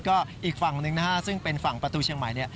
ก็อีกฝั่งหนึ่งนะฮะซึ่งเป็นฝั่งประตูเชียงใหม่